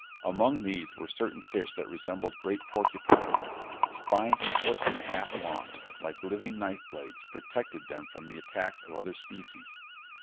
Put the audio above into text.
Among these were certain fish that resembled great porcupines. Spines a foot and a half long, like living knife blades, protected them from the attacks of other species.